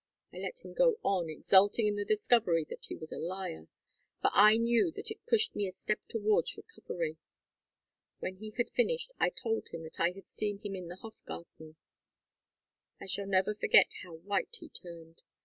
I let him go on, exulting in the discovery that he was a liar, for I knew that it pushed me a step towards recovery. When he had finished I told him that I had seen him in the Hofgarten. I never shall forget how white he turned.